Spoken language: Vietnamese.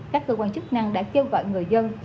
các cơ quan chức năng đã kêu gọi người dân